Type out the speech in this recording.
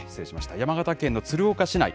山形県の鶴岡市内。